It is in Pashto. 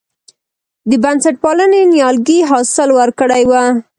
د بنسټپالنې نیالګي حاصل ورکړی و.